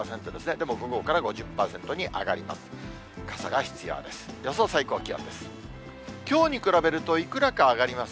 でも午後から５０％に上がります。